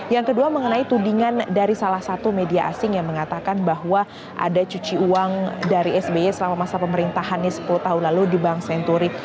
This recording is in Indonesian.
yang kedua mengenai tudingan dari salah satu media asing yang mengatakan bahwa ada cuci uang dari sby selama masa pemerintahannya sepuluh tahun lalu di bank senturi